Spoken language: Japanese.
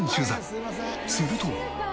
すると。